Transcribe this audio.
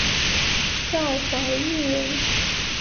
赵怀玉人。